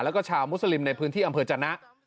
แล้วก็ชาวมุสลิมในพื้นที่อำเภอจนะ